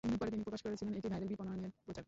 পরে তিনি প্রকাশ করেছিলেন এটি ভাইরাল বিপণনের প্রচার।